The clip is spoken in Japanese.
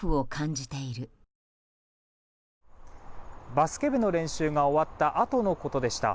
バスケ部の練習が終わったあとのことでした。